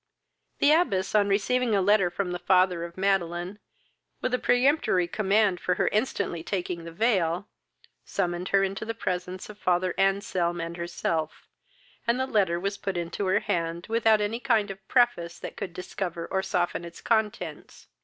The abbess, on receiving a letter from the father of Madeline, with a peremptory command for her instantly taking the veil, summoned her into the presence of father Anselm and herself, and the letter was put into her hand, without any kind of preface that could discover or soften its contents.